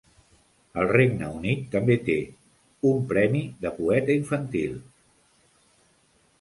El Regne Unit també té un "premi de poeta infantil".